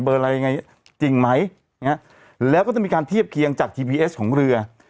อะไรยังไงจริงไหมแล้วก็จะมีการเทียบเคียงจากทีพีเอสของเรือ